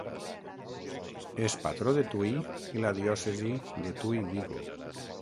És patró de Tui i la diòcesi de Tui-Vigo.